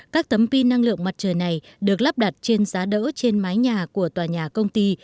các tấm pin năng lượng mặt trời này được lắp đặt trên giá đỡ trên mái nhà của tòa nhà công ty